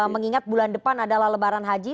mengingat bulan depan adalah lebaran haji